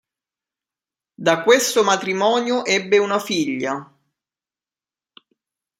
Da questo matrimonio ebbe una figlia.